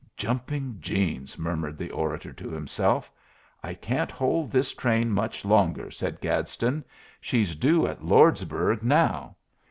"Jumping Jeans!" murmured the orator to himself. "I can't hold this train much longer," said Gadsden; "she's due at Lordsburg now."